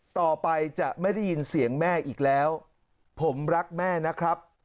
ต่อไปจะไม่ได้ยินเสียงแม่อีกแล้วผมรักแม่นะครับ